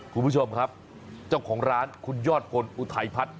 คุณผู้ชมครับเจ้าของร้านคุณยอดพลอุทัยพัฒน